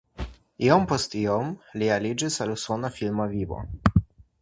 Iom poste li aliĝis al usona filma vivo.